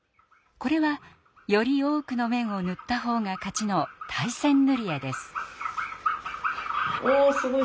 これはより多くの面を塗った方が勝ちの「対戦ぬり絵」です。